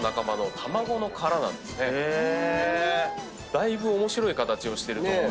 だいぶ面白い形をしてる。